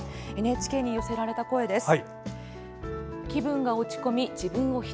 ＮＨＫに寄せられた声です。